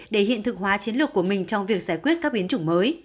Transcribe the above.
để hiện thực hóa chiến lược của mình trong việc giải quyết các biến chủng mới